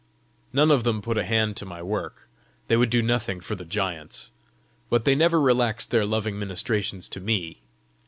None of them put a hand to my work: they would do nothing for the giants! But they never relaxed their loving ministrations to me.